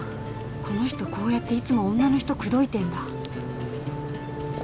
この人こうやっていつも女の人くどいてんだ